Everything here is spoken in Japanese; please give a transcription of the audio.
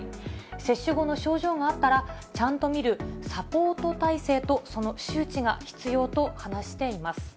接種後の症状があったら、ちゃんと診るサポート体制とその周知が必要と話しています。